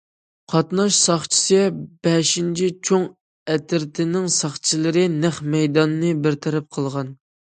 قاتناش ساقچىسى بەشىنچى چوڭ ئەترىتىنىڭ ساقچىلىرى نەق مەيداننى بىر تەرەپ قىلغان.